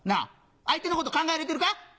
相手のこと考えれてるか？